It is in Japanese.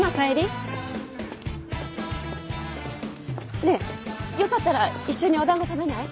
ねえよかったら一緒にお団子食べない？